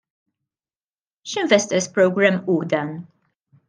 X'investor ' s programme hu dan?